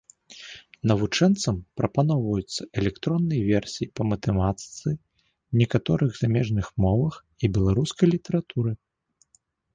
Навучэнцам прапаноўваюцца электронныя версіі па матэматыцы, некаторых замежных мовах і беларускай літаратуры.